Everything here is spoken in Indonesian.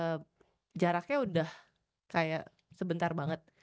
nah itu kan jaraknya udah kayak sebentar banget